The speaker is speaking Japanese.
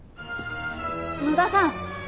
野田さん！